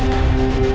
saya akan keluar